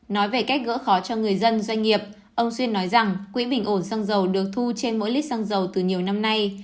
nói về cách gỡ khó cho người dân doanh nghiệp ông xuyên nói rằng quỹ bình ổn xăng dầu được thu trên mỗi lít xăng dầu từ nhiều năm nay